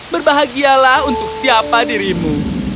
berbahagialah untuk siapa dirimu